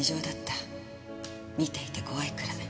見ていて怖いくらい。